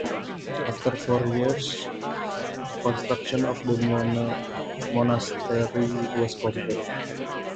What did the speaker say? After four years, construction of the monastery was completed.